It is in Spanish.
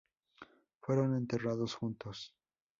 Fueron enterrados juntos.